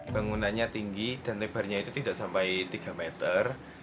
bangunannya tinggi dan lebarnya itu tidak sampai tiga meter